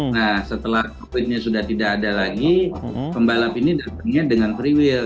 nah setelah covid nya sudah tidak ada lagi pembalap ini datangnya dengan free will